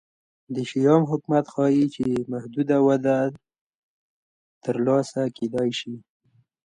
د شیام حکومت ښيي چې محدوده وده ترلاسه کېدای شي